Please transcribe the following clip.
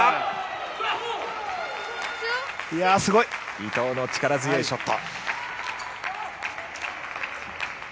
伊藤の力強いショット。